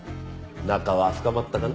仲は深まったかな？